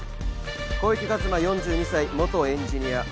小池和馬４２歳元エンジニア。